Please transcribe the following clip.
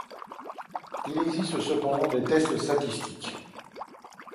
Il existe cependant des tests statistiques.